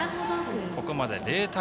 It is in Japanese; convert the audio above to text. ここまで０対０。